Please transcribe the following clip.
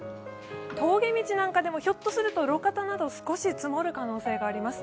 峠道なんかでもひょっとすると路肩など少し積もる可能性があります。